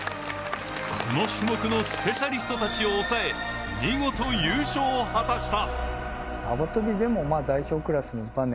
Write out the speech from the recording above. この種目のスペシャリストたちを抑え、見事優勝を果たした。